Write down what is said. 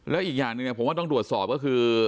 และอีกอย่างนึงนี่ผมว่าต้องดวตสอบก็คือ